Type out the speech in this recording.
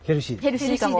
ヘルシーかも。